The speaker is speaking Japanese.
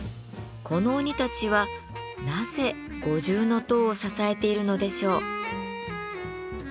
この鬼たちはなぜ五重塔を支えているのでしょう。